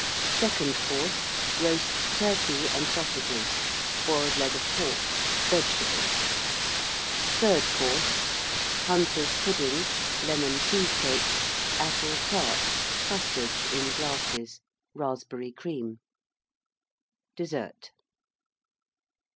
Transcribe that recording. SECOND COURSE. Roast Turkey and Sausages. Boiled Leg of Pork. Vegetables. THIRD COURSE. Hunters' Pudding. Lemon Cheesecakes. Apple Tart. Custards, in glasses. Raspberry Cream. DESSERT.